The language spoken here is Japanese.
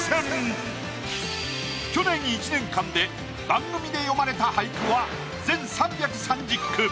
去年１年間で番組で詠まれた俳句は全３３０句。